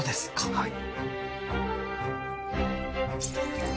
はい。